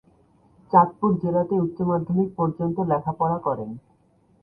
চাঁদপুর জেলাতেই উচ্চ মাধ্যমিক পর্যন্ত লেখাপড়া করেন।